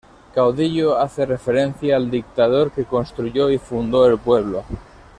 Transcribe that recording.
Caudillo hace referencia al dictador que construyó y fundó el pueblo.